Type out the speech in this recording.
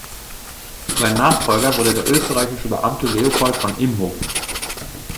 Sein Nachfolger wurde der österreichische Beamte Leopold von Imhof.